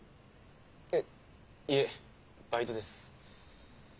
えっいえバイトです。